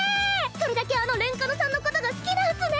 それだけあのレンカノさんのことが好きなんっスね。